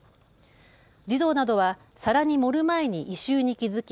児童などは皿に盛る前に異臭に気付き